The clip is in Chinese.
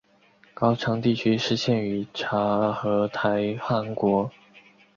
高昌地区失陷于察合台汗国。